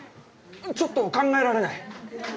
ちょっと考えられない！